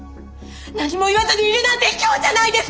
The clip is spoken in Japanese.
何も言わずにいるなんてひきょうじゃないですか！